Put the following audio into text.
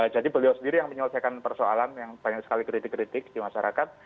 jadi beliau sendiri yang menyelesaikan persoalan yang banyak sekali kritik kritik di masyarakat